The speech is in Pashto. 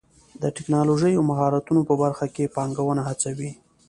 د ټکنالوژۍ او مهارتونو په برخه کې پانګونه هڅوي.